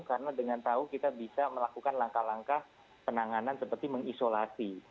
karena dengan tahu kita bisa melakukan langkah langkah penanganan seperti mengisolasi